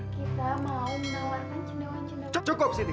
kita mau menawarkan cendawan cendawan